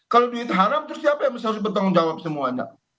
kalau duit haram terus siapa yang harus bertanggung jawab semuanya